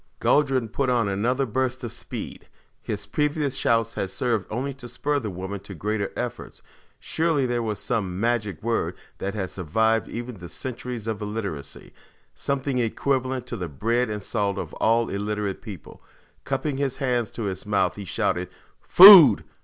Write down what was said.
Guldran put on another burst of speed. His previous shouts had served only to spur the woman to greater efforts. Surely there was some magic word that had survived even the centuries of illiteracy. Something equivalent to the "bread and salt" of all illiterate peoples. Cupping his hands to his mouth, he shouted, "Food!